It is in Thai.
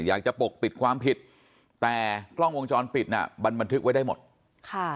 ปกปิดความผิดแต่กล้องวงจรปิดน่ะมันบันทึกไว้ได้หมดค่ะ